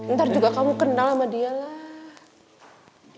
ntar juga kamu kenal sama dia lah